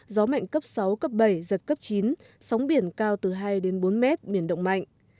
gió mạnh cấp sáu cấp bảy giật cấp chín sóng biển cao từ hai đến bốn mét biển động mạnh